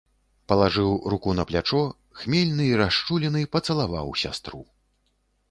Палажыў руку на плячо, хмельны і расчулены, пацалаваў сястру.